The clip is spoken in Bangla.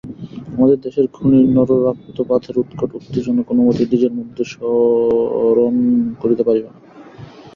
আমাদের দেশের খুনী নররক্তপাতের উৎকট উত্তেজনা কোনোমতেই নিজের মধ্যে সম্বরণ করিতে পারে না।